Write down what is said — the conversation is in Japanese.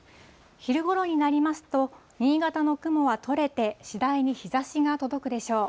昼ごろになりますと、新潟の雲は取れて、次第に日ざしが届くでしょう。